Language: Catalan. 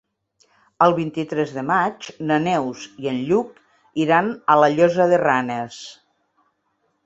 El vint-i-tres de maig na Neus i en Lluc iran a la Llosa de Ranes.